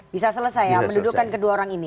bisa selesai ya mendudukkan kedua orang ini